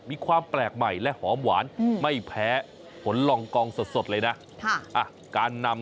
มีความแปลกใหม่และหอมหวานไม่แพ้ผลลองกองสดเลยนะการนำ